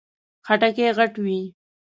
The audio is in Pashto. خټکی غټ وي.